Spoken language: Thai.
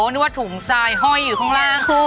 นึกว่าถุงทรายห้อยอยู่ข้างล่าง